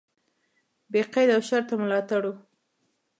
بې قید او شرطه ملاتړ و.